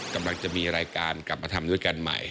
กำลังจะมีรายการกลับมาทำด้วยกันใหม่